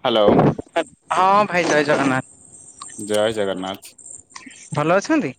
Hello ହଁ ଭାଇ ଜଗନ୍ନାଥ। ଜୟ ଜଗନ୍ନାଥ। ଭଲ ଅଛନ୍ତି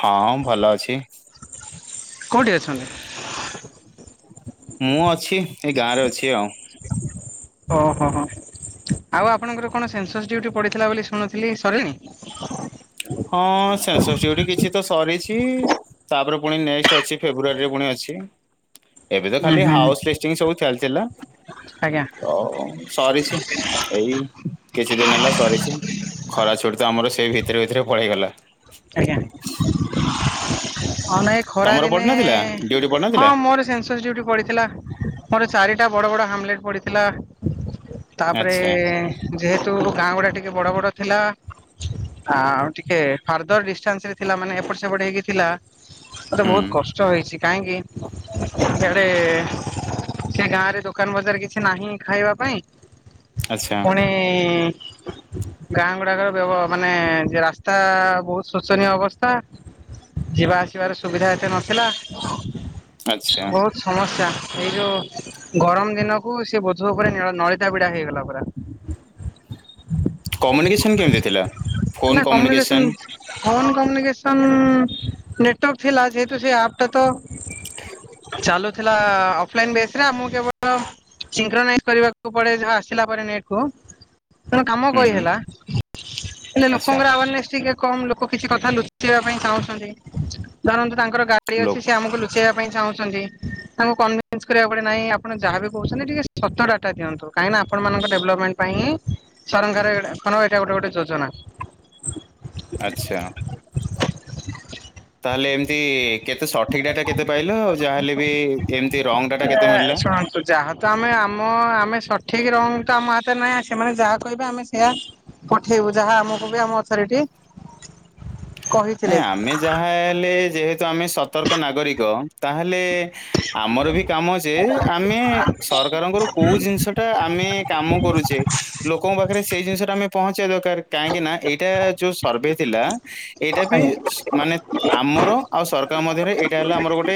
ହଁ, ଭଲ ଅଛି। କୋଉଠି ଅଛନ୍ତି? ମୁଁ ଅଛି, ଏ ଗାଁରେ ଅଛି ଆଉ। ଓହୋ ହୋ! ଆଉ ଆପଣଙ୍କର କଣ ସେନ୍ସସ୍ ଡ୍ୟୁଟି ପଡ଼ିଥିଲା ବୋଲି ଶୁଣୁଥିଲିରି । ସରିଲାଣି? ହଁ, ସେନ୍ସସ୍ ଡ୍ୟୁଟି କିଛି ତ ସରିଛି। ତାପରେ ପୁଣି ନେକ୍ସ୍ଟ ଅଛି। ଫେବୃଆରୀରେ ପୁଣି ଅଛି। ଏବେ ତ ହୁଁ ଖାଲି ହୁଁ ହାଉସ୍ ଲିଷ୍ଟିଂ ସବୁ ଚାଲ ଜିଲ୍ଲା ଆଜ୍ଞା ଓଃ, ସରିଛି ଏଇ। କିଛି ଦିନ ହେଲା ସରିଛି। ଖରା ଛୁଟି ତ ଆମର ସେଇ ଭିତରେ ଭିତରେ ପଳେଇଗଲା। ଆଜ୍ଞା ହଁ, ନାଇଁ, ତମର ଖରାଦିନେ ପଡିନଥିଲା ଡ୍ୟୁଟି ହଁ, ପଡିନଥିଲା? ମୋର ସେନ୍ସସ୍ ଡ୍ୟୁଟି ପଡ଼ିଥିଲା । ମୋର ଚାରିଟା ବଡ ବଡ ହାମଲେଟ୍ ପଡିଥିଲା । ଆଚ୍ଛା ତାପରେଏ, ଯେହେତୁ ଗାଁ ଗୁଡା ଟି ଏ ବଡ଼ ବଡ଼ ଥିଲା। ହା ଆଉ ଟିକେ, ହାର୍ଦର ଚାନ୍ସରେ ଥିଲା, ମାନେ ଏପଟ ସେପଟ ହେକି ଥିଲା। ଆରେ, ହୁଁ ବହୁତ କଷ୍ଟ ହେଇଛି। କାହିଁକି, ସେଆଡେ ସେ ଗାଁ ରେ ଦୋକାନ ବଜାର କିଛି ନାହିଁ, ଖାଇବା ପାଇଁ। ଆଚ୍ଛା ପୁଣି। ଗାଁ ଗୁଡାକର ବ୍ୟବ ମାନେ, ରାସ୍ତା ବହୁତ ଶୋଚନୀୟ ଅବସ୍ଥା, ଯିବା ଯିବାର ସୁବିଧା ଏତେ ନଥିଲା। ଆଚ୍ଛା ବହୁତ ସମସଯ୍ୟା ଏଇ ଯୋଉ ଗରମ ଦିନକୁ, ସେ ବୋଝ ଉପରେ ନଳିତା ବିଡା ହେଇଗଲା ପୁରା। କମ୍ୟୁନିକେସନ କେମିତି ଥିଲା, ଫୋନ କମ୍ୟୁନିକେସନ ଫୋନ କମ୍ୟୁନିକେସନ ନେ ଥିଲା, ଯେହେତୁ ସେ ଆପ ଟା ତ ଚାଲୁଥିଲା ଅଫଲାଇନ, ଵେଶରେ ମୁ କେବଳ [unintelligible] କରିବାକୁ ପଳାଏ, ଯାହା ଆସିଲାପରେ ନେଟକୁ କଣ କାମ ହୁଁ କହି ହୁଁ ହେଲା, ହେଲେ ଆଚ୍ଛା ଲୋକଙ୍କର ଆୱାରନେସ୍ ଟିକେ କମ୍ ଲୋକ, କିଛି କଥା ଲୁଚେଇବା ପାଇଁ ଚାହୁଁଛନ୍ତି। [inaudible] ତାଙ୍କର ଗାଡି ଲୋ ଅଛି ସେ ଆମକୁ ଲ ସେବା ପାଇଁ ଚାହୁଁଛନ୍ତି ତାଙ୍କୁ କନଭିନ୍ସ କରିବାକୁ ପଡ଼େ, ନାହିଁ ଆପଣ ଯାହାବି କହୁଛନ୍ତି, ଟିକେ ସତ ଡାଟା ଦିଅନ୍ତୁ, କାହିଁକିନା ଆପଣମାନଙ୍କ ଡେଭଲପମେଣ୍ଟ ପାଇଁ ହିଁ ସରକାର ଏଇଟା ଗୋଟେ ଗୋଟେ ଯୋଜନା। ଆଛା। [inaudible] ତାହେଲେ ଏମତି କେତେ ସଠିକ ଡାଟା କେତେ ପାଇଲ ଯାହେଲେ ବି ଏମିତି ରଙ୍ଗ ଡାଟା କେତେ ମିଳିଲା ଶୁଣନ୍ତୁ ଯାହା ତ ଆମେ ଆମ ଆମେ ସଠିକ ରଙ୍ଗ ତ ଆମ ହାତ ନାଇଁ, ସେମାନେ ଯାହା କହିବେ ଆମେ ସେୟା ପଠେଇବୁ ଯାହା ଆମକୁ ବି ଆମ ଅଥରିଟି କହିଥିଲେ ନାଇଁ ଆମେ ଯାହା ହେଲେ ଯେହେତୁ ଆମେ ସତର୍କ ନାଗରିକ ତାହେଲେ ଆମର ବି କାମ ଯେ ଆମେ ସରକାରଙ୍କର କୋଉ ଜିନିଷ ଟା ଆମେ କାମ କରୁଛେ ଲୋକଙ୍କ ପାଖରେ ସେଇ ଜିନିଷ ଟା ଆମେ ପହଞ୍ଚେଇବା ଦରକାର କାହିଁକି ନାଁ ଏଇଟା ଯୋଉ ସର୍ଭେ ଥିଲା। ଏଇଟା ବି ଆଜ୍ଞା ଆମର ଆଉ ସରକାର ମଧ୍ୟରେ ଏଇଟା ହେଲା ଆମର ଗୋଟେ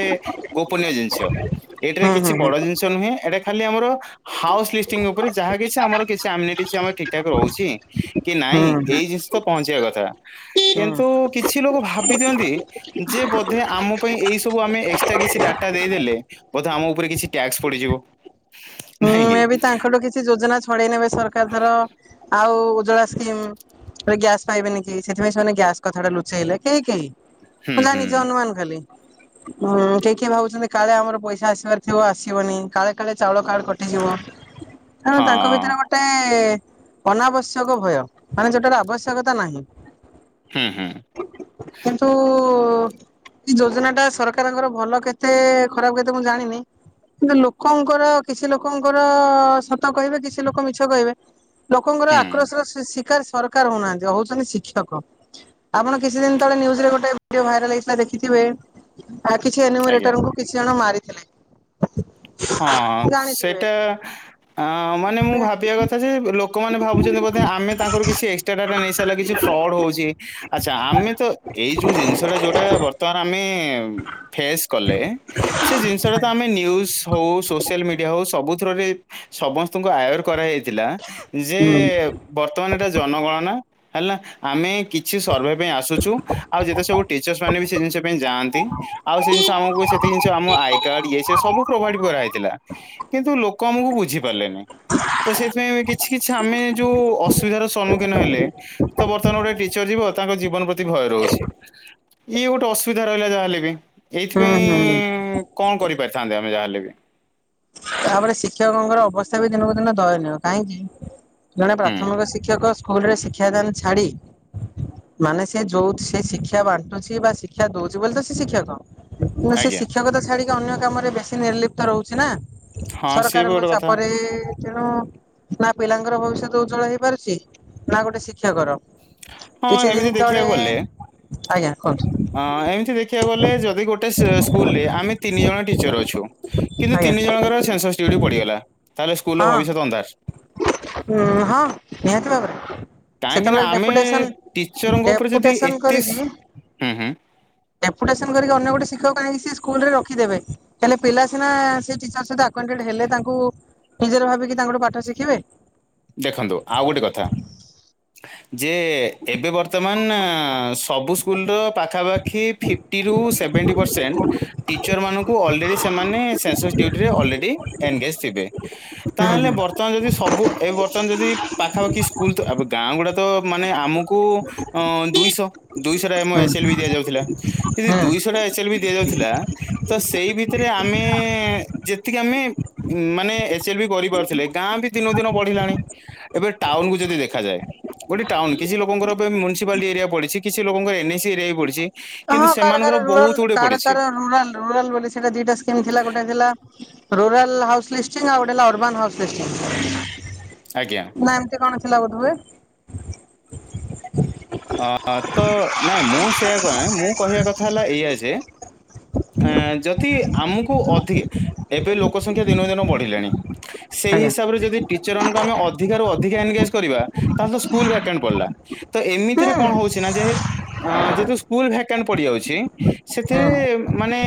ଗୋପନୀୟ ଜିନିଷ ଏଠିରେ ହୁଁ କିଛି ହୁଁ ବଡ ହୁଁ ଜିନିଷ ନୁହେଁ ଏଟା ଖାଲି ଆମର ହାଉସ ଲିସ୍ତିଂଙ୍ଗ ଉପରେ ଯାହା କିଛି ଆମର କି ଆମ ଠିକ ଠାକ ରହୁଛି। କି ନାଇଁ ଏଇ ହୁଁ ଜିନିଷ ତ ପହଁଚିଵା କଥା କିନ୍ତୁ ହୁଁ କିଛି ଲୋକ ଭାବି ଦିଅନ୍ତି ଯେ ବୋଧେ ଆମ ପାଇଁ ଏଇ ସବୁ ଆମେ ଏକ୍ସଟ୍ରା କିଛି ଡାଟା ଦେଇଦେଲେ ବୋଧେ ଆମ ଉପରେ କିଛି ଟ୍ୟାକ୍ସ ପଡିଯିବ। ନାହିଁ କି? ମେବି ତାଙ୍କଠୁ କିଛି ଯୋଜନା [inaudible] ସରକାର ଧର ଆଉ [unintelligible] ଗ୍ୟାସ୍ ପାଇବେନି କେହି ସେଥିପାଇଁ ସେମାନେ ଗ୍ୟାସ କଥା ଟା ଲୁଚେଇଲେ କେହି କେହି ହୁଁ, ମୁଁ ହୁଁ। ଜାଣିଛି ଅନୁମାନ କଲି ହୁଁ କି କିଏ ଭାବୁଛନ୍ତି କାଳେ ଆମର ପଇସା ଆସିବାର ଥିବ ଆସିବନି କାଳେ କାଳେ ଚାଉଳ କାଡ କଟିଯିବ ହଁ ତାଙ୍କ ଭିତରେ ଗୋଟେ ଅନାବଶ୍ୟକ ଭୟ ମାନେ ଯୋଉଟାର ଆବଶ୍ୟକତା ନାହିଁ। ହୁଁ ହୁଁ। ଏ ଯୋଜନା ଟା ସରକାରଙ୍କର ଭଲ କେତେ ଖରାପ କେତେ ମୁଁ ଜାଣିନି କିନ୍ତୁ ଲୋକଙ୍କର କିଛି ଲୋକ ଲୋକଙ୍କର ସତ କହିବେ କିଛି ଲୋକ ମିଛ କହିବେ ଲୋକଙ୍କର ହୁଁ। ଆକ୍ରୋଶର ଶି ସରକାର ହଉନାହାନ୍ତି ହଉଛନ୍ତି ଶିକ୍ଷକ ଆପଣ କିଛି ଦିନ ତଳେ ନିୟୁଜରେ ଗୋଟେ ଭିଡିଓ ଭାଇରାଲ ହେଇଥିଲା ଦେଖିଥିବେ। ଆ ଆଜ୍ଞା। କିଛି ଥିଲେ। ହଁ ସେ ସେ ଟା ମାନେ ମୁଁ ଭାବିବା କଥା ଯେ ଲୋକମାନେ ଭାବୁଛନ୍ତି ବୋଧେ ଆମେ ତାଙ୍କର କିଛି ଏକ୍ସଟ୍ରା ଡାଟା ନେଇ ସାରିଲା କିଛି ଫ୍ରଡ ହଉଛି ଆଚ୍ଛା ଆମେ ତ ଏଇ ଯୋଉ ଜିନିଷଟା ଯୋଉଟା ବର୍ତ୍ତମାନ ଆମେ ହଁ ଫେସ୍ କଲେ ସେଜିନିଷ ଟା ଆମେ ନିୟୁଜ୍ ଖୁସ୍ ହଉ ସୋସିଆଲ ମିଡିଆ ହଉ ସବୁଥିରରେ ସମସ୍ତଙ୍କୁ ଆୱାର କରାହାଇଛି। ଥିଲା ଯେ ହୁଁ ବର୍ତ୍ତମାନ ଏଟା ଜନଗଣନା ହେଲା ନା ଆମେ କିଛି ସର୍ଭେ ପାଇଁ ଆସୁଛୁ ଆଉ ଯେତେ ସବୁ ଟିଚର୍ସ ମାନେ ବି ସେ ଜିନିଷ ପାଇଁ ଯାଆନ୍ତି ଆଉ ସେ ଜିନିଷ ଆମକୁ ସେତେ ଜିନିଷ ଆମ ଆଇ କାର୍ଡ଼ ଇଏ ସ ସବୁ କରାହଇଥିଲା କିନ୍ତୁ ଲୋକ କମକୁ ବୁଝି ପାରିଲେନି ତ ସେଥିପାଇଁ କିଛି କିଛି ଆମେ ଯୋଉ ଅସୁବିଧାର ସମ୍ମୁଖୀନ ହେଲେ ତ ବର୍ତ୍ତମାନ ଗୋଟେ ଚ ଯିବ ତାଙ୍କ ଜୀବନ ପ୍ରତି ଭୟ ରହୁଛି ଇଏ ଗୋଟେ ଅସୁବିଧା ରହିଲା ଯାହାହେଲେ ବି ହୁଁ ଏଇଥିପାଇଁ ହୁଁ କଣ କରିପାରିଥାନ୍ତେ। ଜାଣ ଲ ବି ତାପରେ ଶିକ୍ଷକଙ୍କର ଅବସ୍ଥା ବି ଦିନକୁ ଦିନ ଦୟନୀୟ କାହିଁକି? ଜଣେ ହୁଁ ପ୍ରାଥମିକ ଶିକ୍ଷକ ସ୍କୁଲରେ ଶିକ୍ଷାଦାନ ଛାଡ଼ି ମାନେ ସେ ଯେଉଁ ସେ ଶିକ୍ଷା ବାଣ୍ଟୁଛି ବା ଶିକ୍ଷା ଦେଉଛି ବୋଲି ତ ସେ ଶିକ୍ଷକ ନା ସେ ଆଜ୍ଞା ଶିକ୍ଷକତା ଛାଡିକି ଅନ୍ୟ କାମରେ ବେଶୀ ନିର୍ଲିପ୍ତ ରହୁଛି ନା। ହଁ ସିଏ ବି ସରକାରଙ୍କ ଗୋଟେ କଥା। ଚାପରେ ତେଣୁ ନା ପିଲାଙ୍କର ଭବିଷ୍ୟତ ଉଜ୍ଜଵଳ ହେଇ ପାରୁଛି ନା ଗୋଟେ ଶିକ୍ଷ ହଁ ଏମିତି ଦେଖିବାକୁ ଗଲେ ଆଜ୍ଞା କୁହନ୍ତୁ ଏମିତି ଦେଖିବାକୁ ଗଲେ ଯଦି ଗୋଟେ ସ୍କୁଲରେ ଆମେ ତିନି ଜଣ ଚଲଛି। କିନ୍ତୁ ଆଜ୍ଞା ତିନି ଜଣଙ୍କର ଛେ ପଡିଗଲା। ତାହେଲେ ସ୍କୁଲର ହଁ ଭବିଷ୍ୟତ ଅନ୍ଧାର। ହଁ। ନିହାତି ବାବରେ କାହିଁକି ନା ସେତେବେଳେ ଆମେ ଡେପସ ଟିଚରଙ୍କ ଉପରେ ଯଦି ଡେପଟେସନ ଏତେ କରିକି ସ୍- ହୁଁ ହୁଁ ଡେପୁଟେସନ କରିକି ଅନ୍ୟ ଗୋଟେ ଶଷ କି ସ୍କୁଲରେ ରଖିବେ କ ପିଲାନା ସେଟିର ସହିତଟ ହେଲେ ତା ନିଜର ଭାବିକି ତାଙ୍କଠୁ ପାଠ ଶିଖିବେ। ଦେଖନ୍ତୁ ଆଉ ଗୋଟେ କଥା ଯେ ଏବେ ବର୍ତ୍ତମାନ ସବୁ ସ୍କୁଲର ପାଖାପାଖି ଫିଫ୍ଟି ରୁ ସେଭେଣ୍ଟି ପରସେଣ୍ଟ ଟିଚର ମାନଙ୍କୁ ଅଲରେଡ଼ି ସେମାନେ ସେନ୍ସସ୍ ଡଡିୁଟିରେ ଅଲରେଡ଼ି ଏ ଗସ୍ସିିବି ତାହେଲେ ବର୍ତ୍ତମାନ ଯଦି ସବୁ ଏବେ ବର୍ତ୍ତମାନ ଯଦି ପାଖାପାଖି ସ୍କୁଲ ଆ ଗାଁ ଗୁଡା ତ ମାନେ ଆମକୁ ଅ ଦୁଇଶହ ଦୁଇଶହ ଟା ଆମ ଏଚଏଲ୍ ବି ହଁ ଦିଆଯାଉଥିଲା ଯଦି ଦୁଇଶହ ଟା ଏଚଏଲ୍ ବି ଦିଆଯାଉଥିଲା ଥିଲା ତ ସେଇ ଭିତରେ ଆମେ ଯେତିକି ଆମେ ମାନେ ଏଚଲ୍ ବି କରିପାରୁଥିଲେ ଗାଁ ବି ଦିନକୁ ଦିନ ପଢିଲାଣି ଏବେ ଟାଉନକୁୁ ଯଦି ଦେଖାଯାଏ ଗୋଟେ ଟାଉନ କିଛି ଲୋକଙ୍କର ଏବେ ମ୍ୟୁନିସିପାଲିଟି ଏରିଆ ପଡିଛି କିଛି ଲୋକଙ୍କର ଏନଏସି ଏରିଆ ବି ପଡିଛି କିନ୍ତୁ ହଁ କାର ସେମାନଙ୍କର ବହୁତ ରଲ ଗୁଡେ କାର ପଡିଛି ରଲ ରଲ ବୋଲି ସେଟା ଦିଟା ସ୍କି ଥିଲା ଗୋଟେଥିଲା ରଲ ହାଉସ୍ ଲିଂ୍ ଆଉେ ଅର୍ବନ ହାଉସ୍ ଲେଂ ଆଜ୍ଞା ନା ଏମତି କଣ ଥିଲା ବୋଧହୁଏ। ଅ ତ ନାଇଁ ମୁଁ ସେୟଆ କଏ। ମୁଁ କହିବା କଥା ହେଲା ଏଇଆ ଯଦି ଆମକୁ ଏବେ ଲୋକ ଲୋକ ସଂଖ୍ୟା ଦିନ କୁ ଦିନ ବଢ଼ିଲାଣି। ସେଇ ଆଜ୍ଞା ହିସାବରେ ଯଦି ଟିଚର ମାନଙ୍କୁ ଆମେ ଅଧିକାରୁ ଏନଗେଜ କରିବା ତାହେଲେ ତ ସ୍କୁଲ ଭ୍ୟାକେଣ୍ଡ ପଡିଲା। ତ ହୁଁ ଏମିତି କଣ ହଉଛି ନା ଯେହେତୁ ଅଁ ଯେହେତୁ ପଡିଯାଉଛି ହୁଁ ସେଥିରେ ମାନେ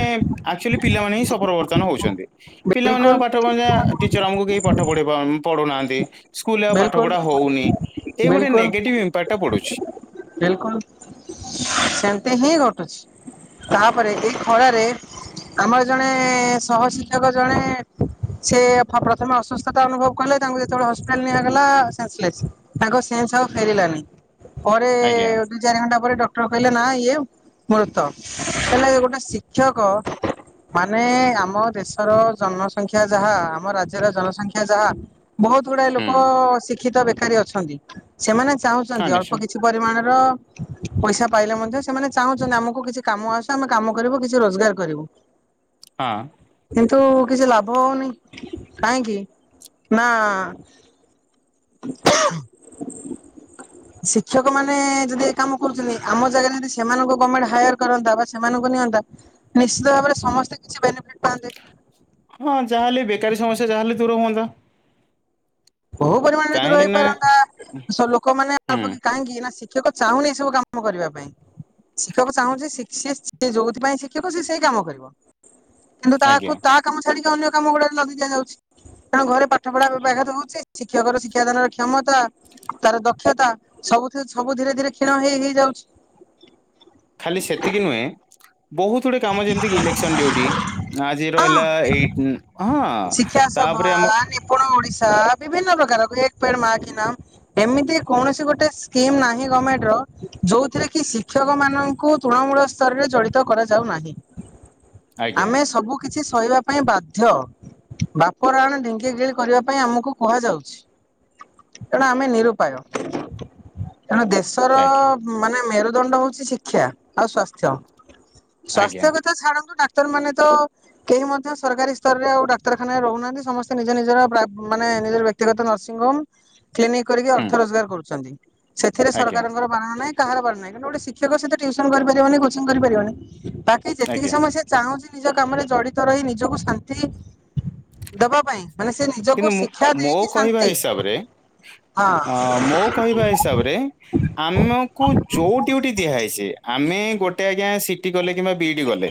ଆକ୍ଚୁଆଲି ପିଲାମାନେ ହିଁ ସଫର ବର୍ତମାନ ହଉଛନ୍ତି। ପିଲାମାନେ ଆଉ ବିଲକୁଲ ପାଠ ପଢ ଟିଚର ଆମକୁ କେହି ପାଠ ପଢିବ ପଢୁନାହାନ୍ତି। ସ୍କୁଲରେ ଆଉ ପାଠ ବିଲକୁଲ ପଢ଼ା ହଉନି। ଏଇ ଗୋଟେ ବିଲକୁଲ ନେଗେଟିଭ୍ ଇମ୍ପାକ୍ଟ ପଡ଼ୁଛି। ବିଲକୁଲ ସେମତି ହିଁ ଘଟୁଛି। ତାପରେ ଏଇ ଖଳାରେ ଆମର ଜଣେ ସହ ଶିକ୍ଷକ ଜଣେ ସେ ପ୍ରଥମେ ଅସୁସ୍ଥତା ଅନୁଭବ କଲେ। ତାଙ୍କୁ ଯେତେବେଳେ ଲା ସେନ୍ସଲେସ। ତାଙ୍କ ସେନ୍ସ ଆଉ ଫେରିଲାନି। ପରେ ଆଜ୍ଞା ଦି ଚାରି ଘଣ୍ଟା ପରେ କହିଲେ ନା ଇଏ ମୃତ। ହେଲେ ଗୋଟେ ଶିକ୍ଷକ ମାନେ ଆମ ଦେଶର ଜନସଂଖ୍ୟା ଯାହା ଆମ ରାଜ୍ୟର ଜନସଂଖ୍ୟା ଯାହା ବହୁତ ଗୁେ ହୁଁ। ଶିକ୍ଷିତ ବେକାରୀ ଅଛନ୍ତି ସେମାନେ ହଁ ଚାହୁଁଛନ୍ତି ନିଶ୍ଚୟ ଅଳ୍ପ କିଛି ପରିମାଣ ପଇସା ପାଇଲେ ମଧ୍ୟ ସେମାନେ ଚାହୁଁଛନ୍ତି ଆମକୁ କିଛି କାମ ଆସ ଆମେ କାମ କରିବୁ କିଛି ରୋଜଗାର କରିବୁ। ହଁ। କିନ୍ତୁ କିଛି ଲାଭ ହଉନି। କାହିଁକି ନା ଶିକ୍ଷକ ମାନେ ଯଦି ଏ କାମ କରୁଛନ୍ତି ଆମ ଜାଗାରେ ଯଦି ସେମାନଙ୍କୁ ଗଭର୍ମେଣ୍ଟ ହାୟାର କରନ୍ତା ବା ସେମାନଙ୍କୁ ନିଅନ୍ତା ନିଶ୍ଚିତ ଭାବରେ ସମସ୍ତେ କିଛି ବେନିଫିଟ ପାଆନ୍ତେ। ହଁ ଯାହାହେଲେ ବେକାରୀ ସମସ୍ୟା ଜାହାଲେ ଦୂର ହନ୍ତା। ବହୁତ ପରିମାଣରେ ଦୂର ନା ହେଇପାରନ୍ତା ଲୋକମାନୋନେ ହୁଁ ଅଳ୍ପକ୍ଷ କାହିଁକି ନା ଶ ଶିକ୍ଷକ ଚାହୁଁନି ଏ ସବୁ କାମ କରିବା ପାଇଁ। ଶିକ୍ଷକ ଚାହୁଁଛି ସେ ଯେଉଁଥିପାଇଁ ଶିକ୍ଷକ ସେ ସେଇ କାମ କରିବ। କିନ୍ତୁ ଆଜ୍ଞା ତାକୁ ତା କାମ ଛାଡିକ ଅନ୍ୟ କାମ ଗୁଡା ଲଦି ଦିଆଯାଉଛି। କାରଣ ଘରେ ପାଠ ପଢା ବ ଆଘାତ ହଉଛି। ଶିକ୍ଷକର ଶିକ୍ଷାଦାନର କ୍ଷମତା, ତାର ଦକ୍ଷତା, ସବୁଥି ସବୁ ଧୀରେ ଧୀରେ କ୍ଷୀଣ ହେଇ ହେଇଯାଉଛି। ଖାଲି ସେତିକି ନୁହେଁ ବହୁତ ଗୁଡେ କାମ ଯେମିତିକି ଇଲେକ୍ସନ ଡୁଟି ଆଜି ହଁ ରହିଲା ଏଇ ହଁ ତାପରେ ଆମ ଆଛ ବିଭିନ୍ନ ପ୍ରକାର ଏକ ମା ଏମିତି କୌଣସି ଗୋଟେ ସ୍କିମ ନାହିଁ ଗମେଣ୍ଟ ର ଯଉଥିରେ କି ଶିକ୍ଷକ ମାନ କୁ ତୃଣମୂଳ ସ୍ତରରେ ଜଡିତ କରାଯ ାଉ ନାହିଁ ଆଜ୍ଞା ଆମେ ସବୁ କିଛି କିବା ପାଇଁ ବାଧ୍ୟ ବାପରାଣ ଢିଙ୍କିଗିଳି କରିବା ପାଇଁ ଆମକୁ କୁହାଯାଉଛି ତେଣୁ ଆମେ ନିରୁପାୟ ତେଣୁ ଦେଶର ଆଜ୍ଞା ମାନେ ମେର ଦଣ୍ଡ ହଉଛି ଶିକ୍ଷା ଆଉ ସଵାସ୍ଥ୍ୟ ଆଜ୍ଞା ସ୍ୱାସ୍ଥ୍ୟବଥାଛଡ଼ନ୍ତୁ ଡାକ୍ତ ମାନେ ତ କେହି ମଧ୍ୟ ସରକାରୀ ସ୍ତରରେ ଆଉ ଡାକ୍ତରଖାନାରେ ରହୁନାହାନ୍ତି ସମସ୍ତେ ନିଜ ନିଜର ମାନେ ନିଜର ବ୍ୟକ୍ତିଗତ ନର୍ସିଂ ହୋମ କ୍ଲିନିକ କରିକି ଅର୍ଥ ହୁଁ ରୋଜଗାର କରୁଛନ୍ତି ସେଥିରେ ଆଜ୍ଞା ସରକାରଙ୍କର ବାାର ନାଇଁ କାହାରାରୁହିଁନ୍ତଣ ଗୋଟେିକ୍ଷକ ସତ ଟ୍ୟସନ କରିପାରିବନି କୋିଂ କରିାରିବନି ବାକି ଯେତିକି ଆଜ୍ଞା ସମୟ ସେ ଚାହୁଁଛି ନିଜ କାମରେ ଜଡିତ ରହି ନିଜକୁ ଶାନ୍ତି ଦେବା ପାଇଁ ମାନେ ସେ ନିଜକୁ କିନ୍ତୁ ଶିକ୍ଷା ମୋ ଦେଇକି କହିବା ଶାନ୍ତି ହିସାବରେ ହଁ ଅ ମୋ କହିବା ହିସାବରେ ଆମକୁ ଯୋଉ ଡିୁଟି ଦିଆହଇଛି ଆମେ ଗୋଟେ ଆଜ୍ଞା ଶ ଗଲେ କିମ୍ବା ବିଇଡି ଗଲେ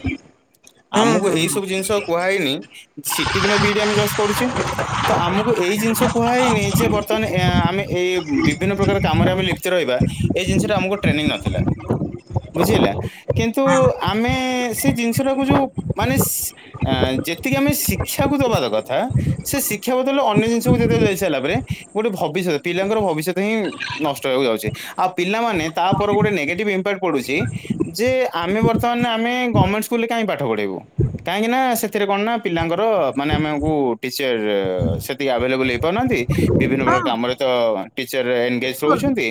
ହୁଁ ଆମକୁ ହୁଁ ଏଇ ହୁଁ। ସବୁ ଜିନିଷ କୁହାହଇନି ଛିଟି କିମ୍ବା ବି ଆମେ ଜଷ୍ଟ କରୁେ ତ ଆମକୁ ଏଇ ଜିନିଷ କୁହା ହେଇନି ଯେ ବର୍ତ୍ତମାନ ଆମେ ଏଇ ବିଭିନ୍ନ ପ୍ରକାର କାମରେ ଆମେ ଲିପ୍ତି ରହିବା ଏଇ ଜିନିଷଟା ଆମକୁ ଟ୍ରେନିଂ ନଥିଲା ବୁଝ ହେଲା କିନ୍ତୁ ଆମେ ସେ ଜିନିଷ ଟାକୁ ଯୋଉ ମାନେ ଯେତିକି ଆମେ ଶିକ୍ଷାକୁ ଦବାାର କଥା ସେ ଶିକ୍ଷାବ ଲେ ଅନ୍ୟ ଜିନିଷକୁ ଯେତେବେ ଯାଇ ସାରିଲ ପରେ ଗୋଟେ ଭବିଷ୍ୟତ ପିଲାଙ୍କର ଭବିଷ୍ୟତ ହିଁ ନଷ୍ଟ ହେବାକୁ ଯାଉଛି ଆଉ ପିଲାମାନେ ତାପରେ ଗୋଟେ ନେଗେଟିଭ୍ ଇମ୍ପାକ୍ଟ ପଡୁଛି ଯେ ଆମେ ବର୍ତ୍ତମାନ ଆମେ ଗଭର୍ଣମେଣ୍ଟ ସ୍କୁଲରେ କାହିଁି ପାଠ ପଢ଼େଇବୁ କାହିଁକି ନା ସେଥିରେ କଣ ନା ପିଲାଙ୍କର ମାନେ ଆମକୁ ଟିଚର ସେତିକି ଆଭେଲେବୁଲ ହେଇପାରୁନାହାନ୍ତି ବିଭିନ୍ନ ହଁ ପ୍ରକାର କରେ ତଟିର ଏନଗେଜ ବିଲକୁଲ ରହୁଛନ୍ତି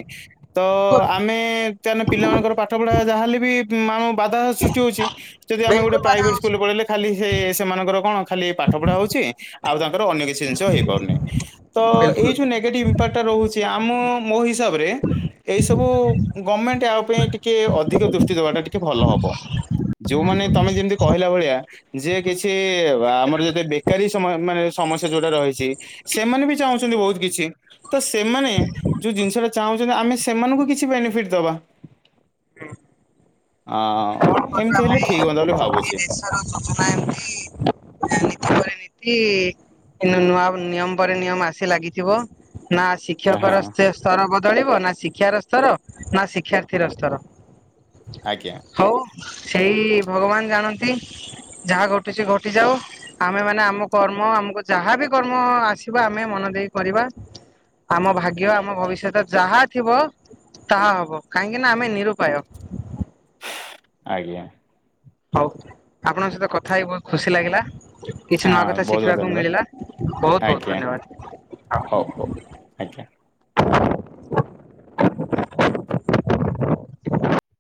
ତ ବିଲକୁଲ ଆମେ େ ପିଲାମାନଙ୍କର ପାଠ ପଢା ଯାହାହଲେ ବି ମାନ ବାଧା ସୃଷ୍ଟି ହଉଛି ଯଦି ଆମେ ଗୋଟେ ବିଲକୁଲ ବାଧା ପ୍ରାଇଭେଟ୍ ହଉଛି ସ୍କୁଲ ପଢେଇଲେ ଖାଲି ସେମାନଙ୍କର କଣ ଖାଲି ପାଠ ପଢା ହଉଛି ଆଉ କିଛି ଜିନିଷ ହେଇାରୁନି ତ ବିଲକୁଲ। ଏଇ ଯୋଉ ନଟି ା ରଛି ଆମ ମୋ ହିସାବରେ ଏଇ ସବୁ ଗଭମେଣ୍ଟ ପାଇଁ ଟିକେ ଅଧିକ ଦୃଷ୍ଟି ଦେବାଟା ଟିକେ ଭଲ ହବ ଯୋଉମାନେ ତମେ ଯେମତି କହିଲା ଭଳିଆ ଯେ କିଛି ଆମର ଯଦି ବେକାରୀ ସମୟ ଯୋଉ ରହି ସେମାନେ ବି ଚା କି ତ ସେମାନେ ଯୋଉ ଜିନିଷାହୁଁଛନ୍ତି ଆମେ ସେମାନଙ୍କୁ କିଟବାମ କଣ କରିବା ଭାଇ ହେଲେ ହ ଏ ଦେଶର ଯୋଜନା ଏମିତି ପରେ ନୂଆ ନିୟମ ପରେ ନିୟମ ଆସି ଲାଗିଥିବ ନା ଶିକ୍ଷକ ର ହଁ ସ୍ରବ ବଦଳିବ ନା ଶିକ୍ଷାର ସ୍ତର ନା ଶିକ୍ଷାର୍ଥୀର ସ୍ତର। ଆଜ୍ଞା ହଉ- ସେଇ ଭଗବାନ ଜାଣନ୍ତି ଯାହା ଘଟୁଛି ଘଟିଯାଉ। ଆମେ ମାନେ- ଆମ କର୍ମ ଆମକୁ ଯାହାବ କର୍ମ ଆସିବ ଆମେ ମନ ଦେଇ କରିବା। ଆମ ଭାଗ୍ୟ ଆମ ଭବିଷ୍ୟତ ଯାହା ଥିବ ତାହା ହବ କାହିଁକି ନା ଆମେ ନିରୁପାୟ। ଆଜ୍ଞା- ହଉ, ଆପଣଙ୍କ ସହିତ କଥା ହେଇି ବହୁତ ଖୁସି ଲାଗିଲା। କିଛି ନୂଆ ହଁ କଥା ବହୁତ ବହୁତ ଶିଖିବାକୁ ଧନ୍ୟବାଦ ମିଳିଲା ବହୁତ ବହୁତ ଆଜ୍ଞା ହଉ ହଉ ଆଜ୍ଞା ଧନ୍ୟବାଦ